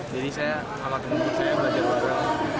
jadi saya amat menunggu saya belajar bareng